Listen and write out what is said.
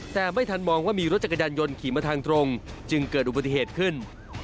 แต่ไม่ทันมองว่ามีรถจักรยานยนต์ขี่มาทางตรงจึงเกิดอุบัติเหตุขึ้น